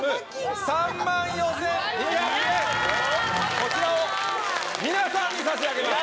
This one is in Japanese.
こちらを皆さんに差し上げます。